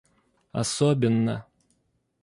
особенно